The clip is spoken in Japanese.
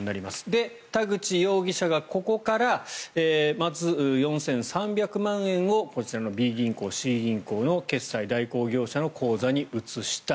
で、田口容疑者がここからまず４３００万円をこちらのＢ銀行、Ｃ銀行の決済代行業者の口座に移した。